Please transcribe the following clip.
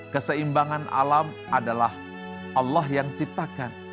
keseimbangan alam adalah allah yang ciptakan